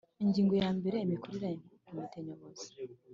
Ingingo ya mbere Imikorere ya Komite Nyobozi